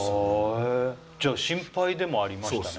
えじゃあ心配でもありましたね。